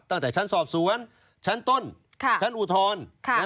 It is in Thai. ตั้งแต่ชั้นสอบสวนชั้นต้นชั้นอุทธรณ์